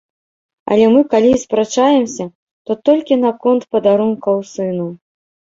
Але мы калі і спрачаемся, то толькі наконт падарункаў сыну.